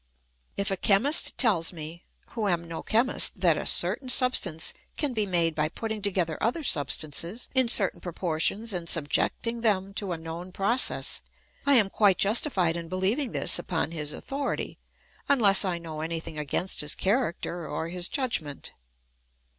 If a chemist tells me, who am no chemist, that a THE ETHICS OF BELIEF. 197 certain substance can be made by putting together other substances in certain proportions and subjecting them to a known process, I am quite justified in believ ing this upon his authority, unless I know anything against his character or his judgment.